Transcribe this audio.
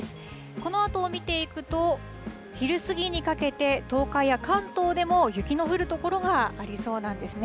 このあとを見ていくと、昼過ぎにかけて、東海や関東でも雪の降る所がありそうなんですね。